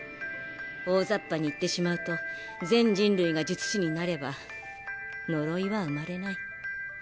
大ざっぱに言ってしまうと全人類が術師になれば呪いは生まれない。